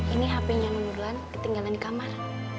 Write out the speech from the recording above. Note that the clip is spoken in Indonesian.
ini hpnya menurun ketinggalan di kamar